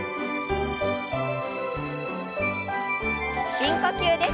深呼吸です。